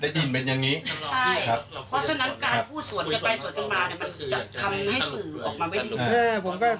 ได้ยินเป็นอย่างงี้ใช่ครับเพราะฉะนั้นการพูดส่วนขึ้นไปส่วนขึ้นมาเนี่ย